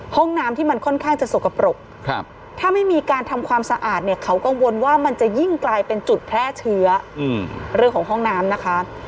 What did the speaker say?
ห้องน้ำที่มันค่อนข้างจะสกปรกถ้าไม่มีการทำความสะอาดเนี่ยเขากังวลว่ามันจะยิ่งกลายเป็นจุดแพร่เชื้อเรื่องของห้องน้ำนะคะ